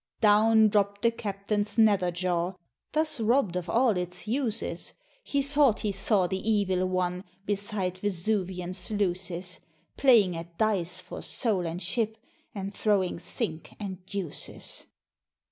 Down dropt the captain's nether jaw, Thus robbed of all its uses, He thought he saw the Evil One Beside Vesuvian sluices, Playing at dice for soul and ship, And throwing Sink and Deuces.